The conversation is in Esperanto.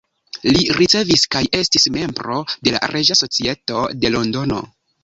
Li ricevis kaj estis membro de la Reĝa Societo de Londono.